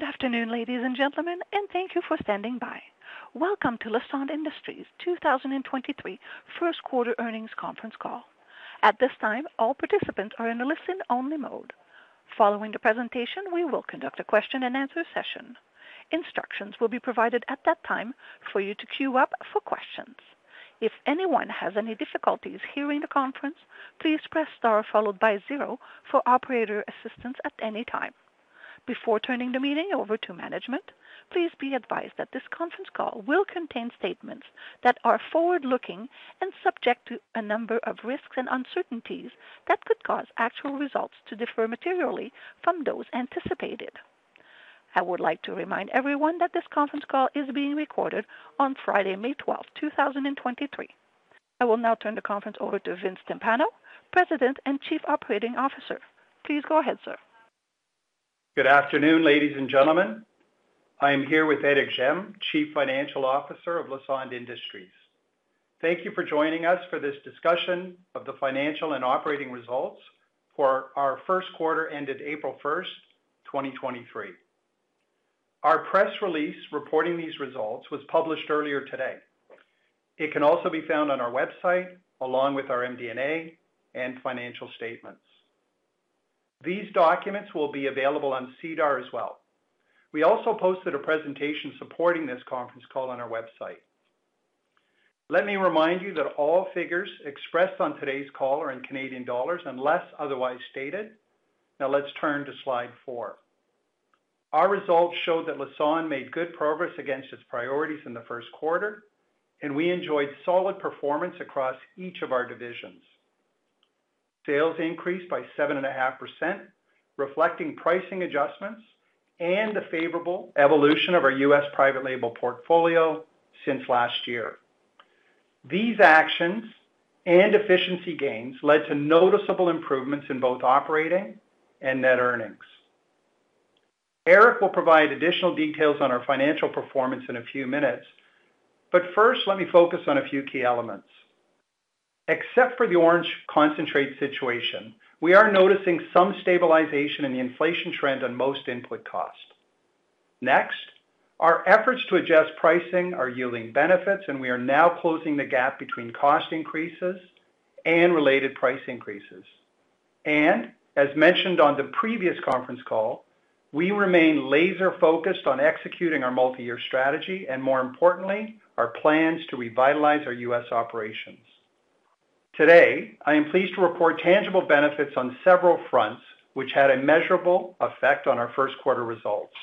Good afternoon, ladies and gentlemen, and thank you for standing by. Welcome to Lassonde Industries 2023 1st quarter earnings conference call. At this time, all participants are in a listen-only mode. Following the presentation, we will conduct a question-and-answer session. Instructions will be provided at that time for you to queue up for questions. If anyone has any difficulties hearing the conference, please press star zero for operator assistance at any time. Before turning the meeting over to management, please be advised that this conference call will contain statements that are forward-looking and subject to a number of risks and uncertainties that could cause actual results to differ materially from those anticipated. I would like to remind everyone that this conference call is being recorded on Friday, May 12, 2023. I will now turn the conference over to Vince Timpano, President and Chief Operating Officer. Please go ahead, sir. Good afternoon, ladies and gentlemen. I am here with Eric Gemme, Chief Financial Officer of Lassonde Industries. Thank you for joining us for this discussion of the financial and operating results for our first quarter ended April 1, 2023. Our press release reporting these results was published earlier today. It can also be found on our website along with our MD&A and financial statements. These documents will be available on SEDAR as well. We also posted a presentation supporting this conference call on our website. Let me remind you that all figures expressed on today's call are in Canadian dollars unless otherwise stated. Let's turn to slide four. Our results showed that Lassonde made good progress against its priorities in the first quarter, and we enjoyed solid performance across each of our divisions. Sales increased by 7.5%, reflecting pricing adjustments and the favorable evolution of our U.S. private label portfolio since last year. These actions and efficiency gains led to noticeable improvements in both operating and net earnings. Eric will provide additional details on our financial performance in a few minutes, but first, let me focus on a few key elements. Except for the orange concentrate situation, we are noticing some stabilization in the inflation trend on most input costs. Next, our efforts to adjust pricing are yielding benefits, and we are now closing the gap between cost increases and related price increases. As mentioned on the previous conference call, we remain laser-focused on executing our multi-year strategy and, more importantly, our plans to revitalize our U.S. operations. Today, I am pleased to report tangible benefits on several fronts, which had a measurable effect on our first quarter results.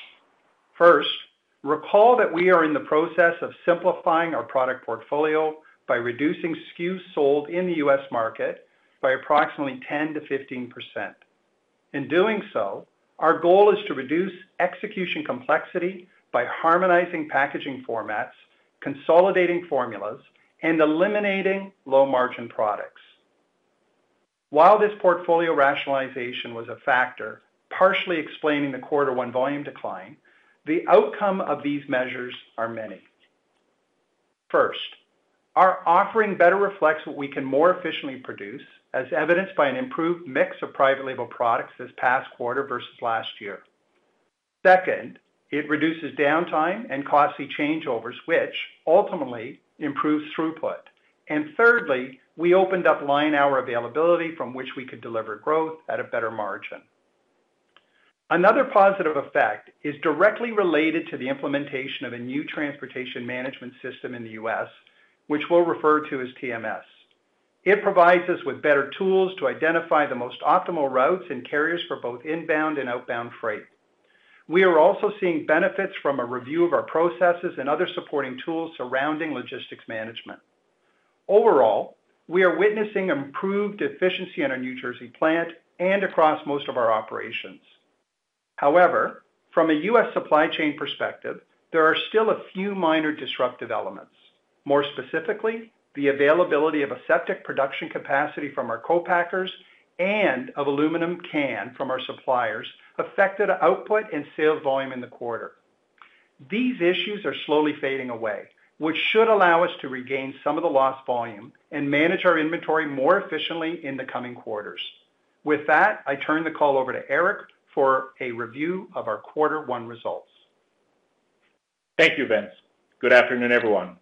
Recall that we are in the process of simplifying our product portfolio by reducing SKUs sold in the U.S. market by approximately 10%-15%. In doing so, our goal is to reduce execution complexity by harmonizing packaging formats, consolidating formulas, and eliminating low-margin products. While this portfolio rationalization was a factor, partially explaining the quarter one volume decline, the outcome of these measures are many. Our offering better reflects what we can more efficiently produce, as evidenced by an improved mix of private label products this past quarter versus last year. Second, it reduces downtime and costly changeovers, which ultimately improves throughput. Thirdly, we opened up line hour availability from which we could deliver growth at a better margin. Another positive effect is directly related to the implementation of a new transportation management system in the U.S., which we'll refer to as TMS. It provides us with better tools to identify the most optimal routes and carriers for both inbound and outbound freight. We are also seeing benefits from a review of our processes and other supporting tools surrounding logistics management. Overall, we are witnessing improved efficiency in our New Jersey plant and across most of our operations. However, from a U.S. supply chain perspective, there are still a few minor disruptive elements. More specifically, the availability of aseptic production capacity from our co-packers and of aluminum can from our suppliers affected output and sales volume in the quarter. These issues are slowly fading away, which should allow us to regain some of the lost volume and manage our inventory more efficiently in the coming quarters. With that, I turn the call over to Eric for a review of our quarter one results. Thank you, Vince. Good afternoon, everyone.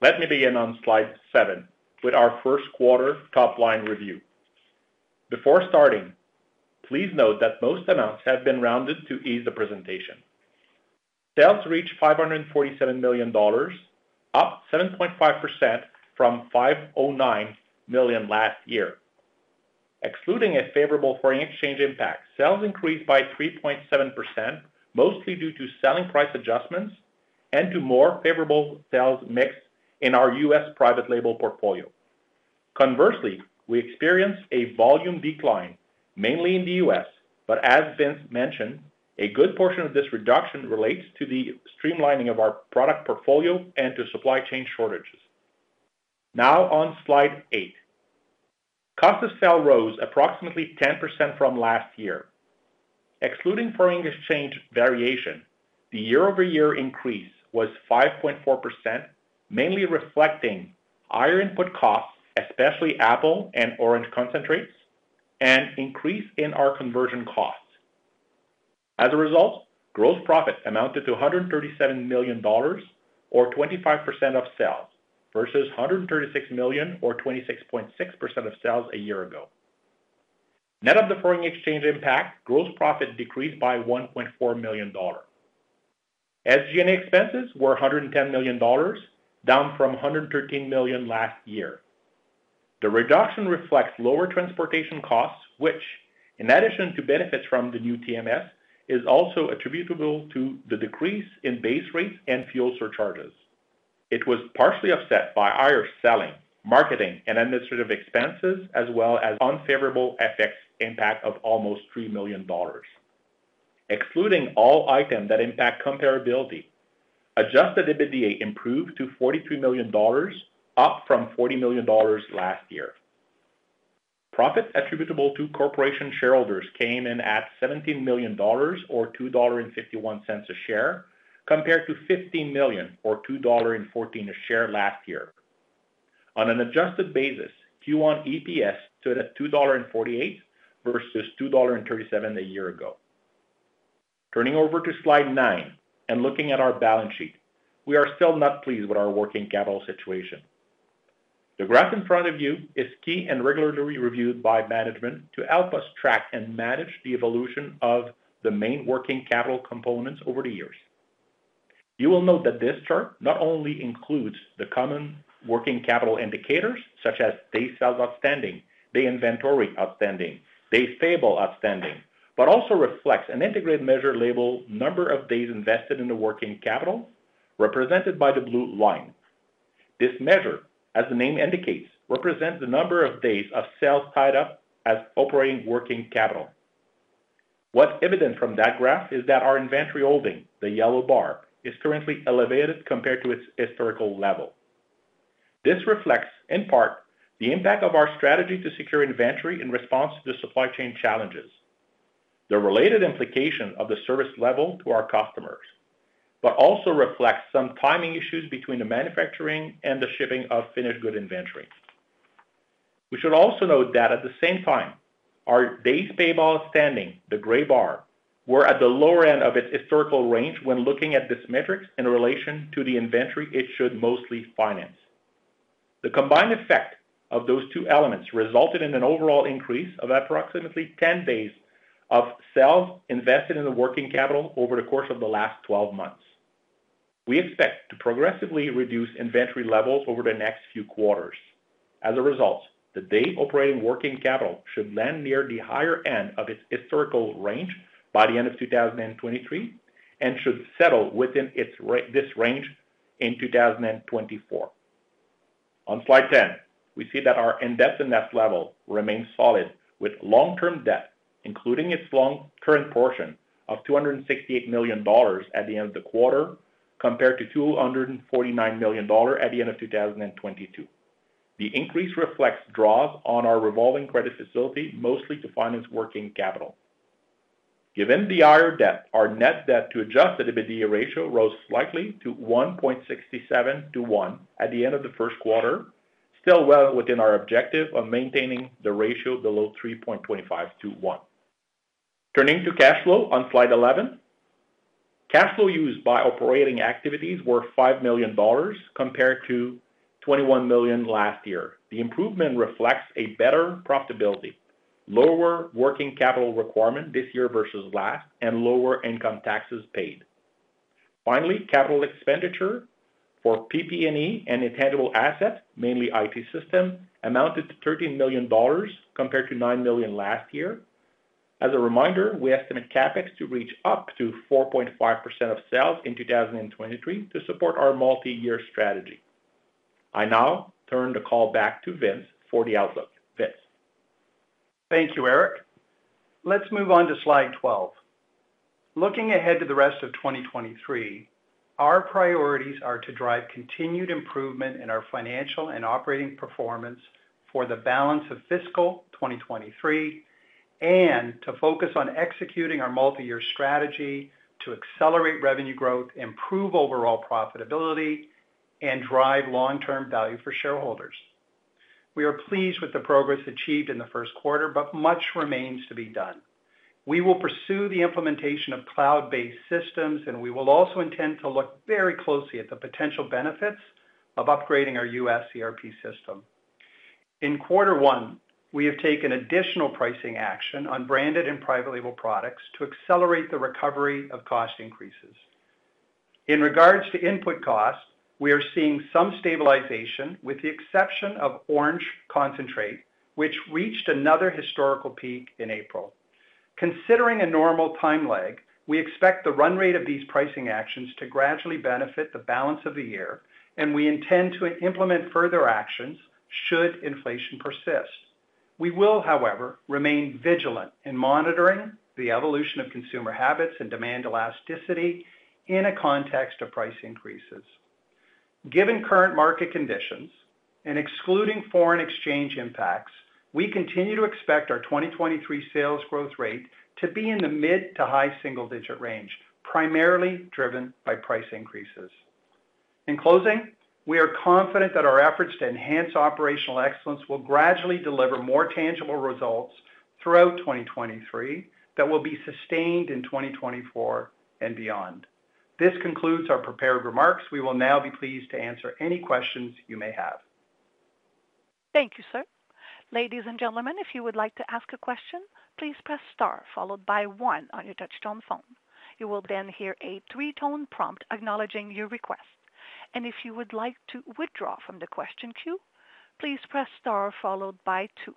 Let me begin on slide seven with our first quarter top-line review. Before starting, please note that most amounts have been rounded to ease the presentation. Sales reached $547.3 million, up 7.5% from $509.0 million last year. Excluding a favorable foreign exchange impact, sales increased by 3.7%, mostly due to selling price adjustments and to more favorable sales mix in our U.S. private label portfolio. Conversely, we experienced a volume decline mainly in the U.S. As Vince mentioned, a good portion of this reduction relates to the streamlining of our product portfolio and to supply chain shortages. Now on slide eight. Cost of sale rose approximately 10% from last year. Excluding foreign exchange variation, the year-over-year increase was 5.4%, mainly reflecting higher input costs, especially apple and orange concentrates. Increase in our conversion costs. As a result, gross profit amounted to 137 million dollars or 25% of sales, versus 136 million or 26.6% of sales a year ago. Net of the foreign exchange impact, gross profit decreased by 1.4 million dollars. SG&A expenses were 110 million dollars, down from 113 million last year. The reduction reflects lower transportation costs, which in addition to benefits from the new TMS, is also attributable to the decrease in base rates and fuel surcharges. It was partially offset by higher selling, marketing and administrative expenses, as well as unfavorable FX impact of almost 3 million dollars. Excluding all items that impact comparability, Adjusted EBITDA improved to 43 million dollars, up from 40 million dollars last year. Profits attributable to corporation shareholders came in at 17 million dollars or 2.51 dollar a share, compared to 15 million or 2.14 dollar a share last year. On an adjusted basis, Q1 EPS stood at 2.48 dollar versus 2.37 dollar a year ago. Turning over to slide 9 and looking at our balance sheet, we are still not pleased with our working capital situation. The graph in front of you is key and regularly reviewed by management to help us track and manage the evolution of the main working capital components over the years. You will note that this chart not only includes the common working capital indicators such as Days Sales Outstanding, Days Inventory Outstanding, Days Payable Outstanding, but also reflects an integrated measure labeled number of days invested in the working capital, represented by the blue line. This measure, as the name indicates, represents the number of days of sales tied up as operating working capital. What's evident from that graph is that our inventory holding, the yellow bar, is currently elevated compared to its historical level. This reflects, in part, the impact of our strategy to secure inventory in response to the supply chain challenges, the related implication of the service level to our customers, but also reflects some timing issues between the manufacturing and the shipping of finished good inventory. We should also note that at the same time, our Days Payable Outstanding, the gray bar, were at the lower end of its historical range when looking at this metric in relation to the inventory it should mostly finance. The combined effect of those two elements resulted in an overall increase of approximately 10 days of sales invested in the working capital over the course of the last 12 months. We expect to progressively reduce inventory levels over the next few quarters. As a result, the day operating working capital should land near the higher end of its historical range by the end of 2023, should settle within this range in 2024. On slide 10, we see that our net debt level remains solid with long-term debt, including its non- current portion of 268 million dollars at the end of the quarter, compared to 249 million dollar at the end of 2022. The increase reflects draws on our revolving credit facility, mostly to finance working capital. Given the higher debt, our Net Debt to Adjusted EBITDA Ratio rose slightly to 1.67 to 1 at the end of the first quarter, still well within our objective of maintaining the ratio below 3.25 to 1. Turning to cash flow on slide 11. Cash flow used by operating activities were 5 million dollars compared to 21 million last year. The improvement reflects a better profitability, lower working capital requirement this year versus last, lower income taxes paid. Finally, capital expenditure for PP&E and intangible assets, mainly IT system, amounted to $13 million compared to $9 million last year. As a reminder, we estimate CapEx to reach up to 4.5% of sales in 2023 to support our multi-year strategy. I now turn the call back to Vince for the outlook. Vince. Thank you, Eric. Let's move on to slide 12. Looking ahead to the rest of 2023, our priorities are to drive continued improvement in our financial and operating performance for the balance of fiscal 2023, to focus on executing our multi-year strategy to accelerate revenue growth, improve overall profitability, and drive long-term value for shareholders. We are pleased with the progress achieved in the first quarter. Much remains to be done. We will pursue the implementation of cloud-based systems. We will also intend to look very closely at the potential benefits of upgrading our US ERP system. In Q1, we have taken additional pricing action on branded and private label products to accelerate the recovery of cost increases. In regards to input costs, we are seeing some stabilization with the exception of orange concentrate, which reached another historical peak in April. Considering a normal time lag, we expect the run rate of these pricing actions to gradually benefit the balance of the year, and we intend to implement further actions should inflation persist. We will, however, remain vigilant in monitoring the evolution of consumer habits and demand elasticity in a context of price increases. Given current market conditions and excluding foreign exchange impacts, we continue to expect our 2023 sales growth rate to be in the mid to high single digit range, primarily driven by price increases. In closing, we are confident that our efforts to enhance operational excellence will gradually deliver more tangible results throughout 2023 that will be sustained in 2024 and beyond. This concludes our prepared remarks. We will now be pleased to answer any questions you may have. Thank you, sir. Ladies and gentlemen, if you would like to ask a question, please press star followed by one on your touchtone phone. You will then hear a three-tone prompt acknowledging your request. If you would like to withdraw from the question queue, please press star followed by two.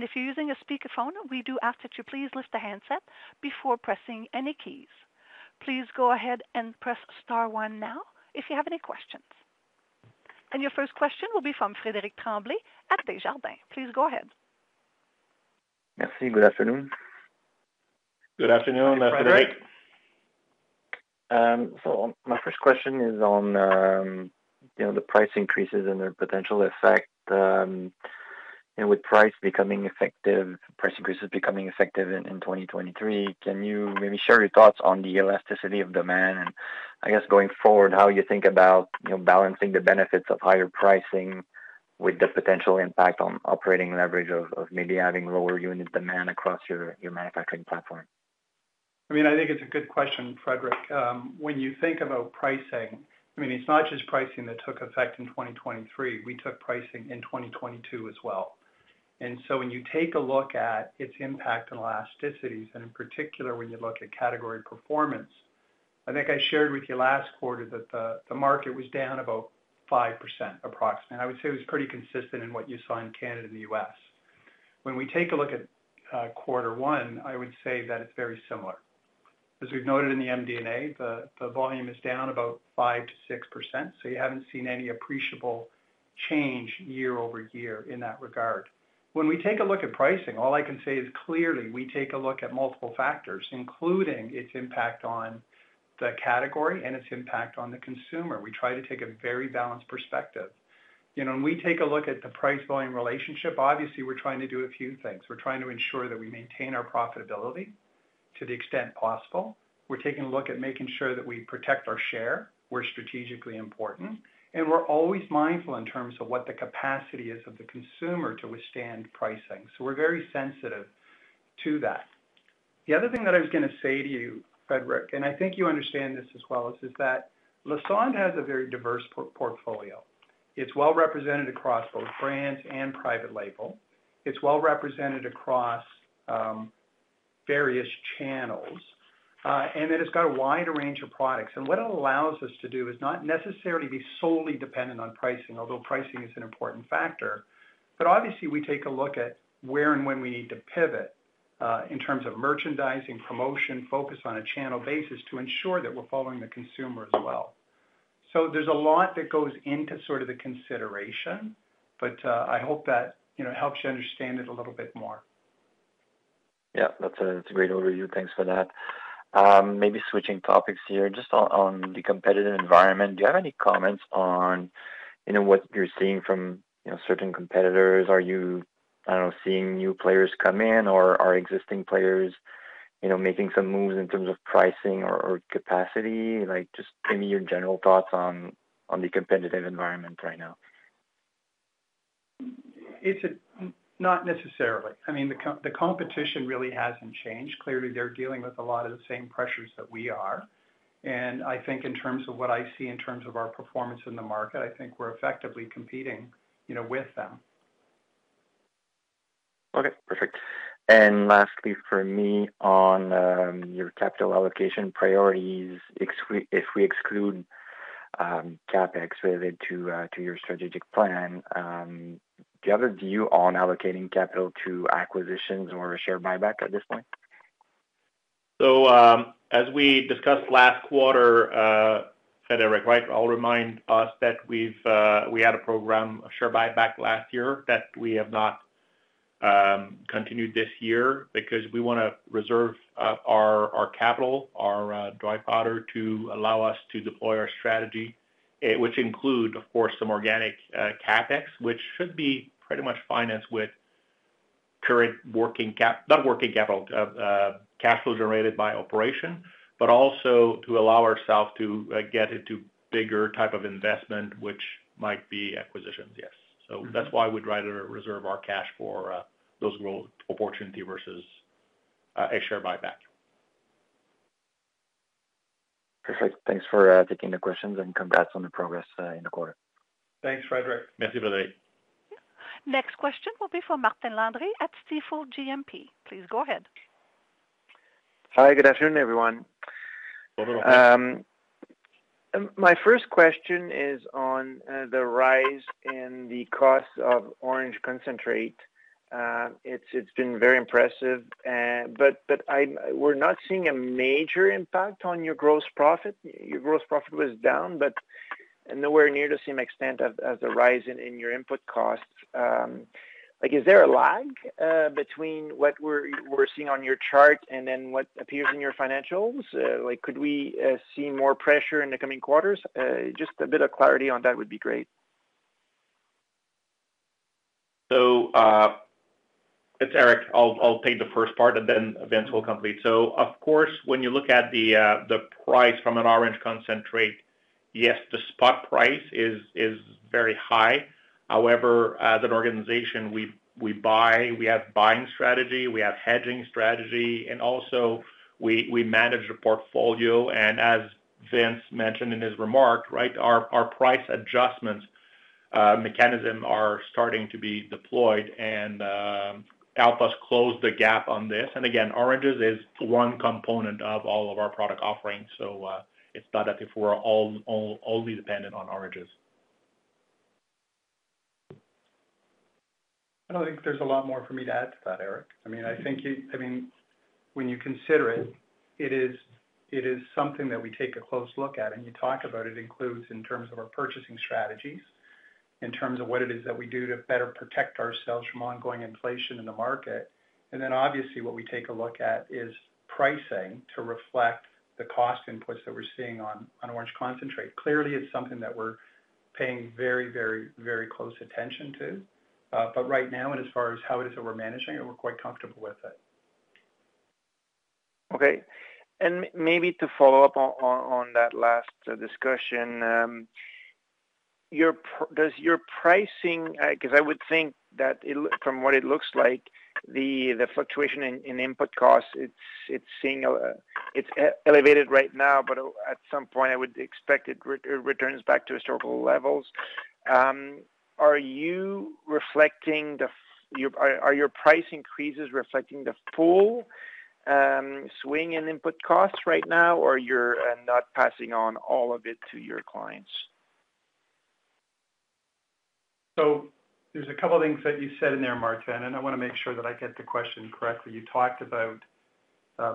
If you're using a speakerphone, we do ask that you please lift the handset before pressing any keys. Please go ahead and press star one now if you have any questions. Your first question will be from Frederic Tremblay at Desjardins. Please go ahead. Merci. Good afternoon. Good afternoon, Frederic. My first question is on, you know, the price increases and their potential effect, you know, with price increases becoming effective in 2023, can you maybe share your thoughts on the elasticity of demand? I guess going forward, how you think about, you know, balancing the benefits of higher pricing with the potential impact on operating leverage of maybe having lower unit demand across your manufacturing platform. I mean, I think it's a good question, Frederic. When you think about pricing, I mean, it's not just pricing that took effect in 2023. We took pricing in 2022 as well. When you take a look at its impact on elasticities, and in particular, when you look at category performance, I think I shared with you last quarter that the market was down about 5% approximately. I would say it was pretty consistent in what you saw in Canada and the U.S. When we take a look at quarter one, I would say that it's very similar. As we've noted in the MD&A, the volume is down about 5%-6%, so you haven't seen any appreciable change year-over-year in that regard. When we take a look at pricing, all I can say is clearly we take a look at multiple factors, including its impact on the category and its impact on the consumer. We try to take a very balanced perspective. You know, when we take a look at the price-volume relationship, obviously we're trying to do a few things. We're trying to ensure that we maintain our profitability to the extent possible. We're taking a look at making sure that we protect our share, where strategically important, and we're always mindful in terms of what the capacity is of the consumer to withstand pricing. We're very sensitive to that. The other thing that I was gonna say to you, Frederic, and I think you understand this as well, is that Lassonde has a very diverse portfolio. It's well represented across both brand and private label. It's well represented across various channels, and it has got a wide range of products. What it allows us to do is not necessarily be solely dependent on pricing, although pricing is an important factor. Obviously, we take a look at where and when we need to pivot in terms of merchandising, promotion, focus on a channel basis to ensure that we're following the consumer as well. There's a lot that goes into sort of the consideration, but I hope that, you know, helps you understand it a little bit more. Yeah. That's a great overview. Thanks for that. Maybe switching topics here, just on the competitive environment, do you have any comments on, you know, what you're seeing from, you know, certain competitors? Are you, I don't know, seeing new players come in, or are existing players, you know, making some moves in terms of pricing or capacity? Like, just give me your general thoughts on the competitive environment right now. Not necessarily. I mean, the competition really hasn't changed. Clearly, they're dealing with a lot of the same pressures that we are. I think in terms of what I see in terms of our performance in the market, I think we're effectively competing, you know, with them. Okay. Perfect. Lastly for me on your capital allocation priorities, if we exclude CapEx related to your strategic plan, do you have a view on allocating capital to acquisitions or a share buyback at this point? As we discussed last quarter, Frederic, right, I'll remind us that we've, we had a program, a share buyback last year that we have not continued this year because we wanna reserve our capital, our dry powder to allow us to deploy our strategy, which include, of course, some organic CapEx, which should be pretty much financed with current not working capital, cash flow generated by operation, but also to allow ourself to get into bigger type of investment, which might be acquisitions, yes. That's why we'd rather reserve our cash for those growth opportunity versus a share buyback. Perfect. Thanks for taking the questions, and congrats on the progress in the quarter. Thanks, Frederic. Next question will be from Martin Landry at Stifel GMP. Please go ahead. Hi. Good afternoon, everyone. Good afternoon. My first question is on the rise in the cost of orange concentrate. It's been very impressive, but we're not seeing a major impact on your gross profit. Your gross profit was down, nowhere near the same extent as the rise in your input costs. Like, is there a lag between what we're seeing on your chart and then what appears in your financials? Like, could we see more pressure in the coming quarters? Just a bit of clarity on that would be great. It's Eric, I'll take the first part and then Vince will complete. Of course, when you look at the price from an orange concentrate, yes, the spot price is very high. However, as an organization, we buy, we have buying strategy, we have hedging strategy, and also we manage the portfolio. As Vince mentioned in his remark, right, our price adjustments mechanism are starting to be deployed and help us close the gap on this. Again, oranges is one component of all of our product offerings. It's not as if we're all-on-only dependent on oranges. I don't think there's a lot more for me to add to that, Eric. I mean, when you consider it is something that we take a close look at, and you talk about it includes in terms of our purchasing strategies, in terms of what it is that we do to better protect ourselves from ongoing inflation in the market. Obviously, what we take a look at is pricing to reflect the cost inputs that we're seeing on orange concentrate. Clearly, it's something that we're paying very, very, very close attention to. Right now, and as far as how it is that we're managing it, we're quite comfortable with it. Okay. maybe to follow up on that last discussion, does your pricing, 'cause I would think that it from what it looks like, the fluctuation in input costs, it's seeing a, it's elevated right now, but at some point I would expect it returns back to historical levels. Are your price increases reflecting the full swing in input costs right now, or you're not passing on all of it to your clients? There's a couple things that you said in there, Martin, and I wanna make sure that I get the question correctly. You talked about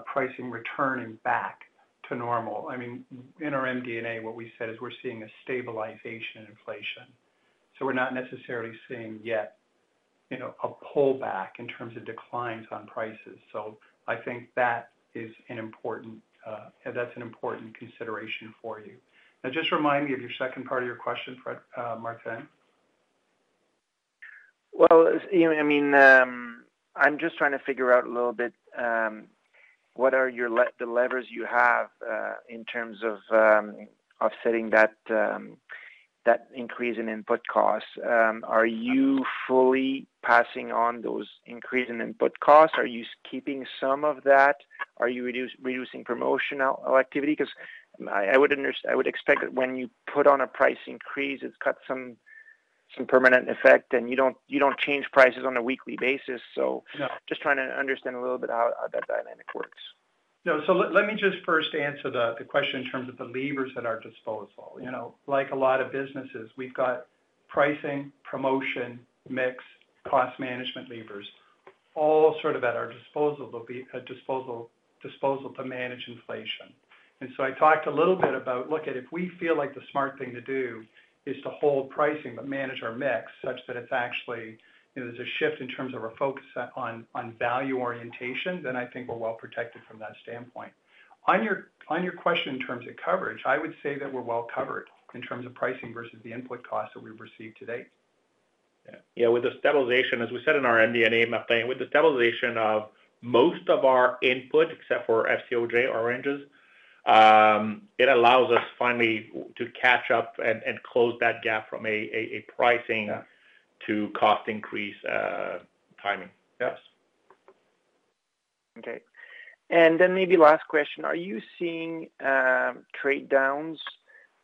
pricing returning back to normal. I mean, in our MD&A, what we said is we're seeing a stabilization in inflation, so we're not necessarily seeing yet, you know, a pullback in terms of declines on prices. I think that is an important, that's an important consideration for you. Just remind me of your second part of your question, Fred, Martin. Well, you know, I mean, I'm just trying to figure out a little bit, what are your the levers you have, in terms of offsetting that increase in input costs? Are you fully passing on those increase in input costs? Are you keeping some of that? Are you reducing promotional activity? 'Cause I would expect that when you put on a price increase, it's got some permanent effect and you don't change prices on a weekly basis. No. Just trying to understand a little bit how that dynamic works. No. Let me just first answer the question in terms of the levers at our disposal. You know, like a lot of businesses, we've got pricing, promotion, mix, cost management levers, all sort of at our disposal. There'll be a disposal to manage inflation. I talked a little bit about, look at if we feel like the smart thing to do is to hold pricing but manage our mix such that it's actually, you know, there's a shift in terms of our focus on value orientation, then I think we're well protected from that standpoint. On your question in terms of coverage, I would say that we're well covered in terms of pricing versus the input costs that we've received to date. With the stabilization, as we said in our MD&A, Martin, with the stabilization of most of our input, except for FCOJ oranges, it allows us finally to catch up and close that gap from a pricing to cost increase, timing. Yes. Okay. Maybe last question, are you seeing trade downs,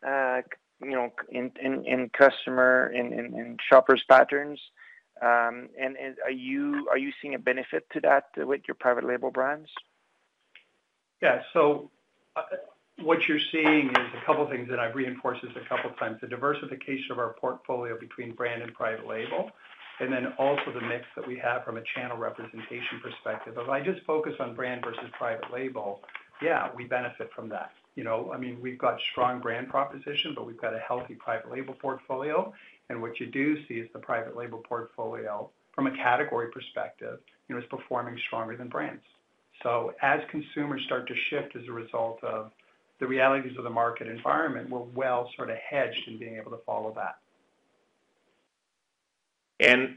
you know, in customer, in shoppers' patterns? Are you seeing a benefit to that with your private label brands? Yeah. What you're seeing is a couple things that I've reinforced this a couple times. The diversification of our portfolio between brand and private label, and then also the mix that we have from a channel representation perspective. If I just focus on brand versus private label, yeah, we benefit from that. You know, I mean, we've got strong brand proposition, but we've got a healthy private label portfolio. What you do see is the private label portfolio from a category perspective, you know, is performing stronger than brands. As consumers start to shift as a result of the realities of the market environment, we're well sort of hedged in being able to follow that.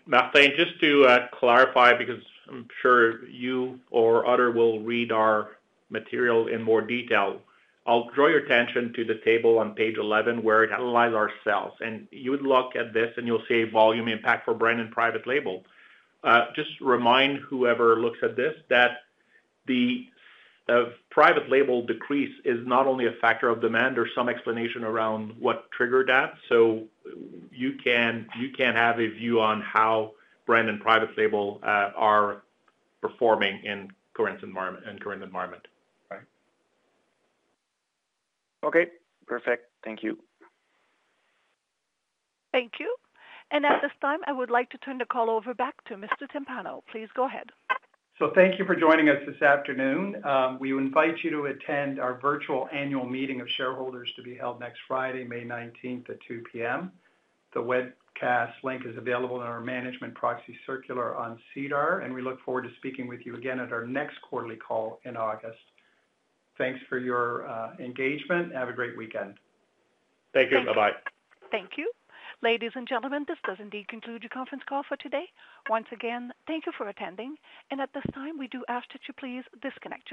Martin, just to clarify, because I'm sure you or other will read our material in more detail. I'll draw your attention to the table on page 11 where it analyzes ourselves. You would look at this and you'll see volume impact for brand and private label. Just remind whoever looks at this that the private label decrease is not only a factor of demand or some explanation around what triggered that. You can have a view on how brand and private label are performing in current environment. Right. Okay. Perfect. Thank you. Thank you. At this time, I would like to turn the call over back to Mr. Timpano. Please go ahead. Thank you for joining us this afternoon. We invite you to attend our virtual annual meeting of shareholders to be held next Friday, May 19th at 2:00 P.M. The webcast link is available in our management proxy circular on SEDAR, and we look forward to speaking with you again at our next quarterly call in August. Thanks for your engagement. Have a great weekend. Thank you. Bye-bye. Thank you. Ladies and gentlemen, this does indeed conclude your conference call for today. Once again, thank you for attending. At this time, we do ask that you please disconnect your lines.